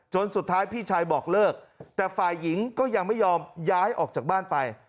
สุดท้ายพี่ชายบอกเลิกแต่ฝ่ายหญิงก็ยังไม่ยอมย้ายออกจากบ้านไป